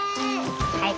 はい。